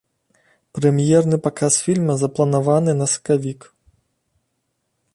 Прэм'ерны паказ фільма запланаваны на сакавік.